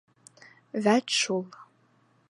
Вәт шул!